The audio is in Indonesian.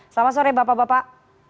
selamat sore bapak bapak